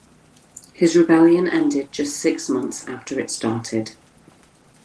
His rebellion ended just six months after it started.